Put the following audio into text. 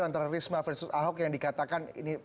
antara risma versus ahok yang dikatakan ini